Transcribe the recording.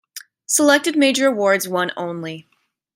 "Selected major awards won only"